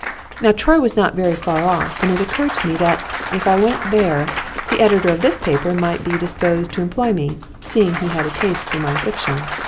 Now Troy was not very far off; and it occurred to me that, if I went there, the editor of this paper might be disposed to employ me, seeing he had a taste for my fiction.